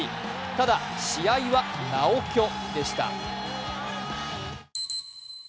ただ試合は、なお巨でした。